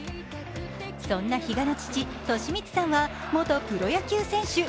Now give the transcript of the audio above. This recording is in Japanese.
そんな比嘉の父、寿光さんは元プロ野球選手。